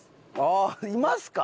ああいますか？